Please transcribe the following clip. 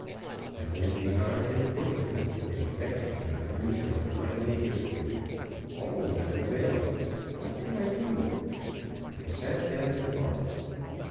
I went behind and pushed him; and vexed beyond reason, I finally whipped him; all without avail. What could I do? I sat down and thought.